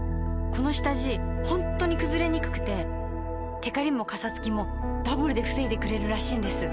この下地ホントにくずれにくくてテカリもカサつきもダブルで防いでくれるらしいんです。